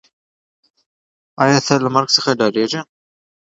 آیا ته له مرګ څخه ډارېږې؟